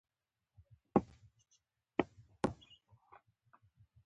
موږ د بشر توافق ترلاسه کوو.